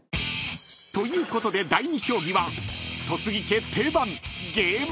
［ということで第２競技は］